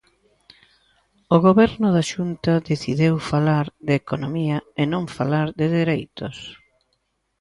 O Goberno da Xunta decidiu falar de economía e non falar de dereitos.